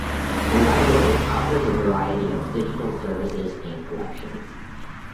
The library offers a variety of digital services and collections.